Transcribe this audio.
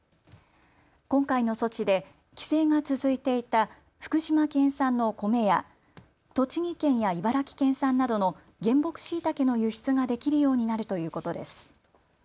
今回の措置で規制が続いていた福島県産のコメや栃木県や茨城県産などの原木しいたけの輸出ができるようになるということです。